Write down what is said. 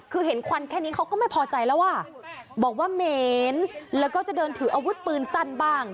คือเห็นควันแค่นี้เขาก็ไม่พอใจแล้วอ่ะบอกว่าเหม็นแล้วก็จะเดินถืออาวุธปืนสั้นบ้าง